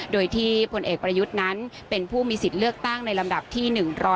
โดยที่พลเอกประยุทธ์นั้นเป็นผู้มีสิทธิ์เลือกตั้งในลำดับที่๑๐